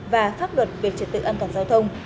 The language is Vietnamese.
và pháp luật về trật tự an toàn giao thông